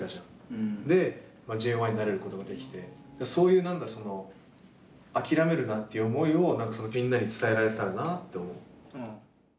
でＪＯ１になれることができてそういう何かその諦めるなっていう思いをみんなに伝えられたらなって思う。